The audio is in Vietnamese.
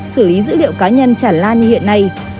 xử lý dữ liệu cá nhân chản lan như hiện nay